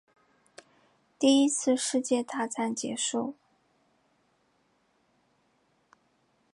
第一次世界大战结束